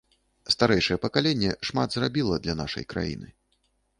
Старэйшае пакаленне шмат зрабіла для нашай краіны.